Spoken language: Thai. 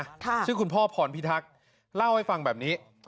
ค่ะชื่อคุณพ่อพรพิทักษ์เล่าให้ฟังแบบนี้